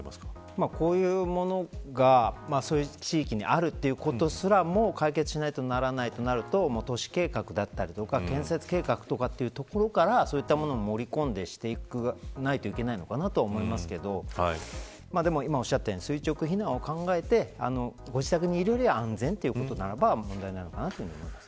こういうものがそういう地域にあるということすらも解決しないとならないとなると都市計画だったりとか建設計画とかというところからそういったものを盛り込んでやっていかないといけないのかなと思いますけどでも今おっしゃったように垂直避難を考えてご自宅にいるよりは安全ということならば問題ないのかなと思います。